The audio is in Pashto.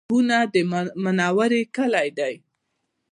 ډبونه د منورې کلی دی